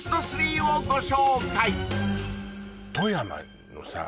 富山のさ